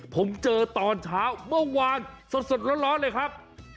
ผมเจอตอนเช้าเมื่อวานสดร้อนเลยครับ